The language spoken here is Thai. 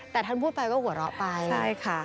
แต่ท่านพูดไปก็หัวเราะไป